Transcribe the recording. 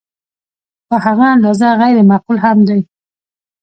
په هغه اندازه غیر معقول هم دی.